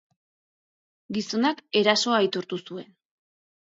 Gizonak erasoa aitortu zuen.